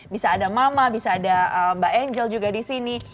bisa ada mama bisa ada mbak angel juga di sini